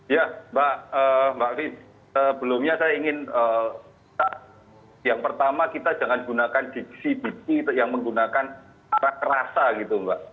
ya mbak rif sebelumnya saya ingin yang pertama kita jangan gunakan diksi disi yang menggunakan rasa gitu mbak